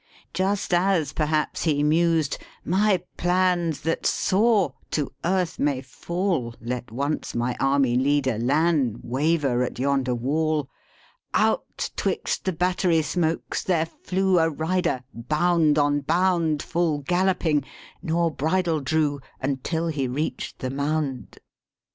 II Just as perhaps he mused 'My plans That soar, to earth may fall, Let once my army leader Lannes Waver at yonder wall,' Out 'twixt the battery smokes there flew A rider, bound on bound Full galloping; nor bridle drew Until he reached the mound.